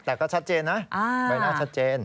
แต่ก็ชัดเจนนะใบหน้าชัดเจน